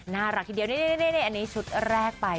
น่ารักทีเดียวนี่ชุดแรกไป